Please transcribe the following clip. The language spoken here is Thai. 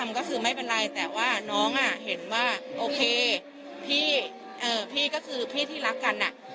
มันก็เลยไม่ได้มีน้องก็ไม่ได้มีข้อกังหาที่ว่า